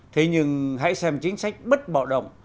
thế nhưng hãy xem chính sách bất bạo động